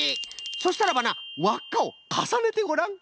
そしたらばなわっかをかさねてごらん！